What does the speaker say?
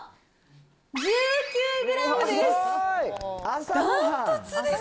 １９グラムです。